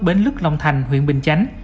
bến lức long thành huyện bình chánh